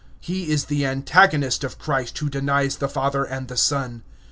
This is the antichrist, who denies the Father and the Son.